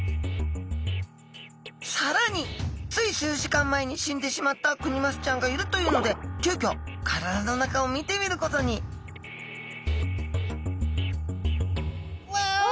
さらについ数時間前に死んでしまったクニマスちゃんがいるというので急きょ体の中を見てみることにうわ！